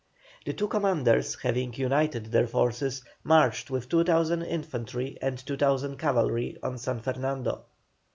The two commanders having united their forces marched with 2,000 infantry and 2,000 cavalry on San Fernando.